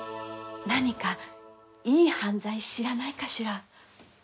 何かいい犯罪知らないかしら？